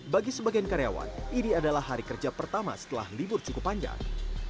bagi sebagian karyawan ini adalah hari kerja pertama setelah libur cukup panjang